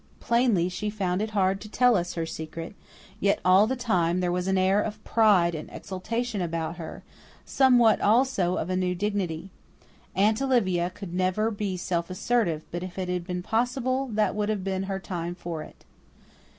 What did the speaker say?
Plainly she found it hard to tell us her secret, yet all the time there was an air of pride and exultation about her; somewhat, also, of a new dignity. Aunt Olivia could never be self assertive, but if it had been possible that would have been her time for it.